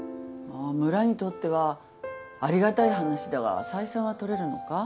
村にとってはありがたい話だが採算はとれるのか？